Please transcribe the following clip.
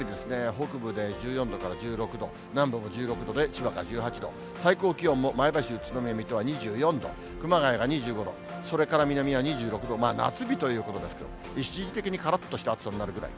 北部で１４度から１６度、南部も１６度で千葉が１８度、最高気温も前橋、宇都宮、水戸は２４度、熊谷が２５度、それから南は２６度、夏日ということですけど、一時的にからっとした暑さになるくらい。